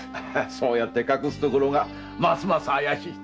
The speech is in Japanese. そうやって隠すところがますます怪しい。